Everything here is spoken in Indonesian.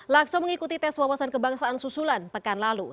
lakso mengikuti tes wawasan kebangsaan susulan pekan lalu